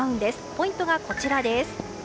ポイントがこちらです。